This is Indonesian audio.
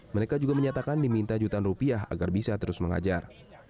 mereka juga menyatakan diminta jutaan rupiah agar bisa terus mengajar